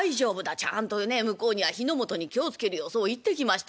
ちゃんと向こうには火の元に気を付けるようそう言ってきました。